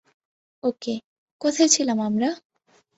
ওকে, কোথায় ছিলাম আমরা?